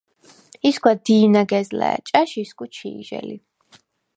ისგვა დი̄ნაგეზლა̈ ჭა̈ში ისგუ ჩი̄ჟე ლი.